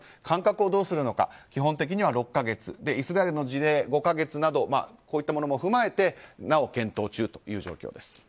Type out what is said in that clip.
間隔をどうするか基本的には６か月イスラエルの事例、５か月などこういったものも踏まえなお検討中の状況です。